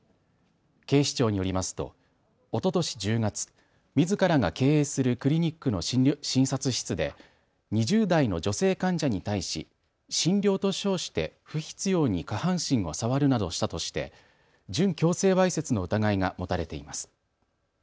警視庁によりますとおととし１０月、みずからが経営するクリニックの診察室で２０代の女性患者に対し診療と称して不必要に下半身を触るなどしたとして準強制わいせつの疑いが持たれています。